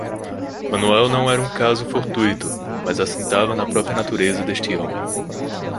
Manoel não era um caso fortuito, mas assentava na própria natureza deste homem.